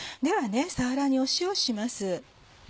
ではさわらに塩をします。